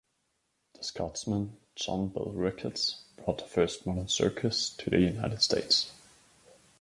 The Scotsman John Bill Ricketts brought the first modern circus to the United States.